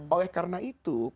oleh karena itu